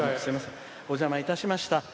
お邪魔いたしました。